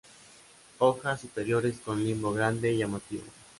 Hojas superiores con limbo grande y llamativo.